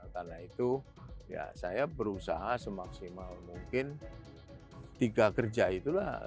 karena itu saya berusaha semaksimal mungkin tiga kerja itulah